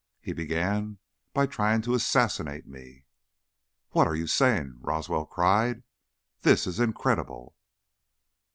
He began by trying to assassinate me." "What are you saying?" Roswell cried. "This is incredible."